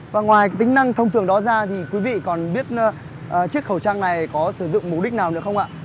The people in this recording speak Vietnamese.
và ngoài tính năng thông thường đó ra thì quý vị còn biết chiếc khẩu trang này có sử dụng mục đích nào được không ạ